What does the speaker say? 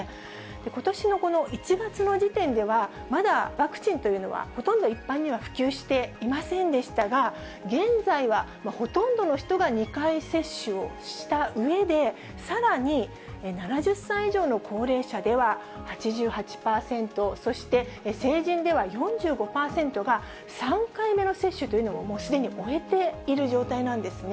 ことしのこの１月の時点では、まだワクチンというのはほとんど一般には普及していませんでしたが、現在は、ほとんどの人が２回接種をしたうえで、さらに７０歳以上の高齢者では８８％、そして成人では４５％が３回目の接種というのを、もうすでに終えている状態なんですね。